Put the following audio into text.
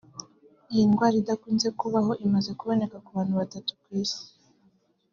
Iyi ndwara idakunze kubaho imaze kuboneka ku bantu batatu ku isi